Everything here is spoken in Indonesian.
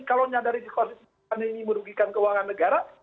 kalau nyadari kondisi pandemi merugikan keuangan negara